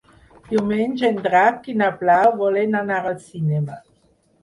Diumenge en Drac i na Blau volen anar al cinema.